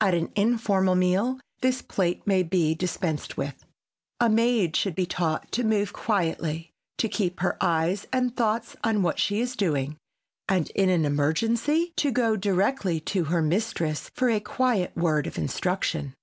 At an informal meal this plate may be dispensed with. A maid should be taught to move quietly, to keep her eyes and thoughts on what she is doing, and in an emergency to go directly to her mistress for a quiet word of instruction.